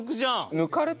抜かれた？